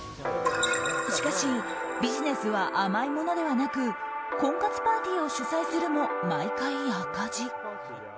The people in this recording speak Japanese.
しかし、ビジネスは甘いものではなく婚活パーティーを主催するも毎回赤字。